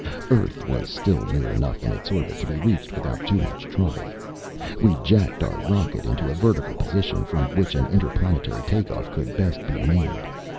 Earth was still near enough in its orbit to be reached without too much trouble. We jacked our rocket into a vertical position, from which an interplanetary takeoff could best be made.